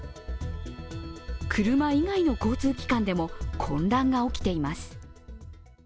車以外の交通機関でも混乱が起きています。